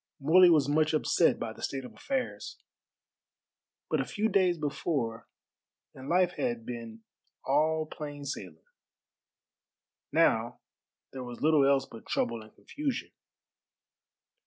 Morley was much upset by the state of affairs. But a few days before and life had been all plain sailing, now there was little else but trouble and confusion.